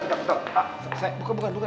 tentang dulu sayang sayang bentar bentar bentar